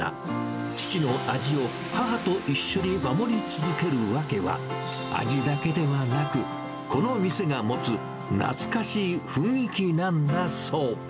父の味を母と一緒に守り続ける訳は、味だけではなく、この店が持つ懐かしい雰囲気なんだそう。